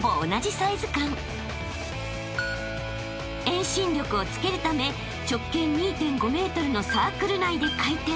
［遠心力をつけるため直径２．５ｍのサークル内で回転］